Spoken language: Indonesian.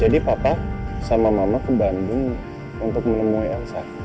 jadi papa sama mama ke bandung untuk menemui elsa